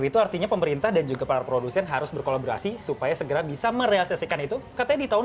itu artinya pemerintah dan juga para produsen harus berkolaborasi supaya segera bisa merealisasikan itu katanya di tahun dua ribu dua